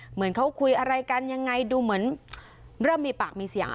เหมือนเขาคุยอะไรกันยังไงดูเหมือนเริ่มมีปากมีเสียง